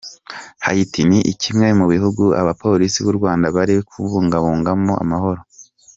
Haiti ni kimwe mu bihugu abapolisi b’u Rwanda bari kubungabunga mo amahoro.